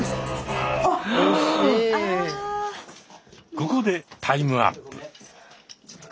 ここでタイムアップ。